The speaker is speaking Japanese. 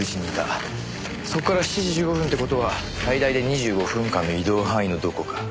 そこから７時１５分って事は最大で２５分間の移動範囲のどこか。